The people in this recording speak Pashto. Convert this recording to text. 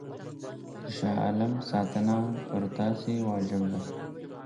د شاه عالم ساتنه پر تاسي واجب ده.